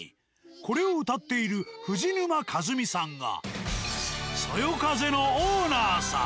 これを歌っている藤沼一美さんが「そよ風」のオーナーさん。